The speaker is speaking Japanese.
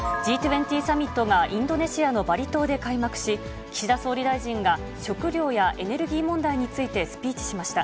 Ｇ２０サミットがインドネシアのバリ島で開幕し、岸田総理大臣が食料やエネルギー問題についてスピーチしました。